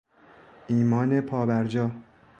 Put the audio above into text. ایمان پا بر جا